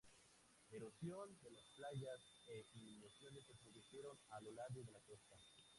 Erosión de las playas e inundaciones se produjeron a lo largo de la costa.